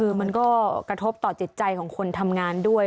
คือมันก็กระทบต่อจิตใจของคนทำงานด้วย